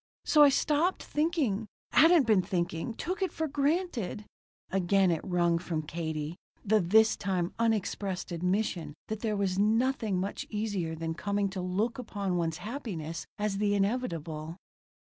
So I stopped thinking hadn't been thinking took it for granted " Again it wrung from Katie the this time unexpressed admission that there was nothing much easier than coming to look upon one's happiness as the inevitable.